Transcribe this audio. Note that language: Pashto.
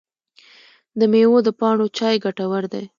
د میوو د پاڼو چای ګټور دی؟